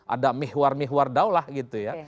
ada mihwar mihwar daulah gitu ya